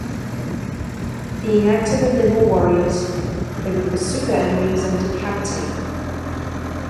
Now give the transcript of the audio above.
Being active and nimble warriors, they would pursue their enemies and decapitate them.